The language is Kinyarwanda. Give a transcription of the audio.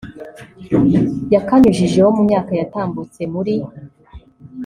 yakanyujijeho mu myaka yatambutse muri